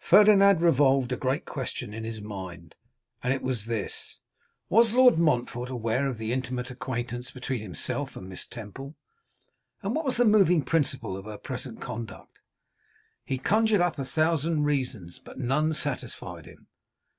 Ferdinand revolved a great question in, his mind, and it was this: Was Lord Montfort aware of the intimate acquaintance between himself and Miss Temple? And what was the moving principle of her present conduct? He conjured up a thousand reasons, but none satisfied him.